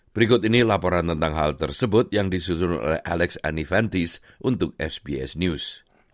berikut ini laporan tentang hal tersebut yang disusun oleh alex anivantis untuk sbs news